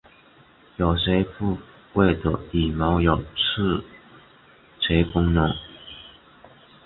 有些部位的羽毛有触觉功能。